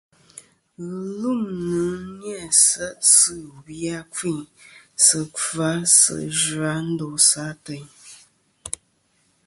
Ghɨlûmnɨ ni-a se' sɨ ɨwi a kfiyn sɨ kfa sɨ zha ndosɨ ateyn.